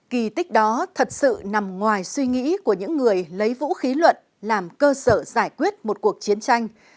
kỳ tích đó thật sự nằm ngoài suy nghĩ của những người lấy vũ khí luận làm cơ sở giải quyết một cuộc chiến tranh